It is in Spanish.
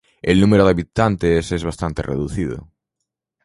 El número de habitantes es bastante reducido.